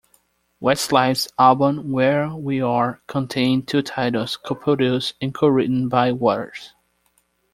Westlife's album "Where We Are" contained two titles co-produced and co-written by Watters.